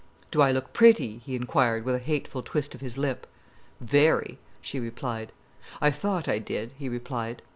"Do I look pretty?" he inquired with a hateful twist of his lip. "Very!" she replied. "I thought I did," he replied.